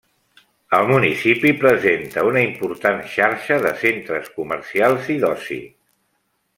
El municipi presenta una important xarxa de centres comercials i d'oci.